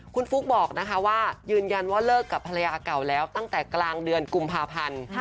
คุณฟุ๊กบอกนะคะว่ายืนยันว่าเลิกกับภรรยาเก่าแล้วตั้งแต่กลางเดือนกุมภาพันธ์